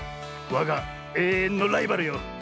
わがえいえんのライバルよ。